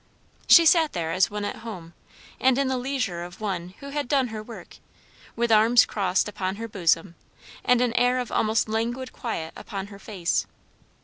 She sat there as one at home, and in the leisure of one who had done her work; with arms crossed upon her bosom, and an air of almost languid quiet upon her face.